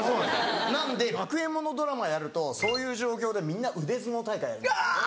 なんで学園もののドラマやるとそういう状況でみんな腕相撲大会やります。